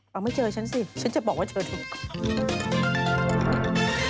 พรุ่งนี้เจอกันค่ะพรุ่งนี้เจอกันค่ะสวัสดีค่ะ